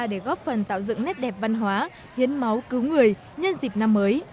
để góp phần tạo dựng nét đẹp văn hóa hiến máu cứu người nhân dịp năm mới